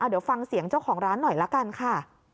เดี๋ยวฟังเสียงเจ้าของร้านหน่อยละกันค่ะ